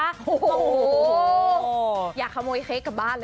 โถอย่าขโมยเค้กกลับบ้านค่ะ